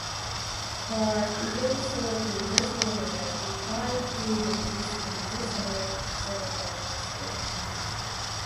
په یو سوه پنځوس میلادي کال کې نفوس پنځه څلوېښت زرو ته ورسېد